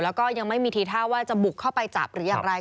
แล้วก็ยังไม่มีทีท่าว่าจะบุกเข้าไปจับหรืออย่างไร